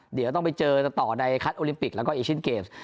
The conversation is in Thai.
เดี๋ยวต้องไปเจอกันต่อในคัดโอลิมปิกแล้วก็เอเชียนเกมส์